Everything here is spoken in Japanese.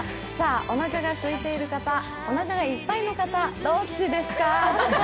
おなかがすいている方、おなかがいっぱいの方、どっちですか？